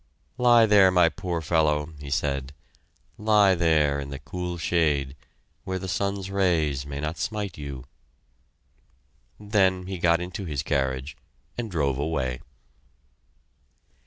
"Lie there, my poor fellow!" he said. "Lie there, in the cool shade, where the sun's rays may not smite you!" Then he got into his carriage and drove away.